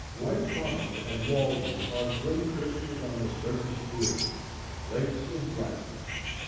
White Pond and Walden are great crystals on the surface of the earth, Lakes of Light.